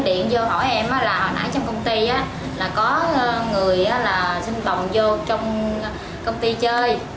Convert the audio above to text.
chị điện vô hỏi em là hồi nãy trong công ty là có người sinh bồng vô trong công ty chơi